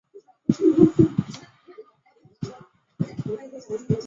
碑记桥位于重庆市涪陵区蒲江乡碑记关村。